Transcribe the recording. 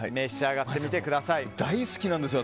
大好きなんですよ